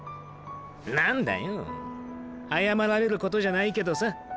何だよ謝られることじゃないけどさ。